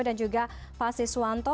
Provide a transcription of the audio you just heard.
dan juga pak siswanto